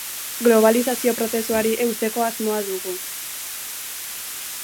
Globalizazio prozesuari eusteko asmoa dugu.